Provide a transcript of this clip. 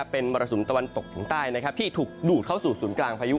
เป็นมรสุมตะวันตกเฉียงใต้ที่ถูกดูดเข้าสู่ศูนย์กลางพายุ